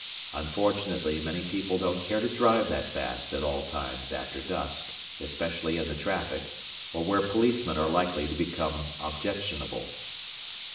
Unfortunately many people don't care to drive that fast at all times after dusk, especially in the traffic, or where policemen are likely to become objectionable."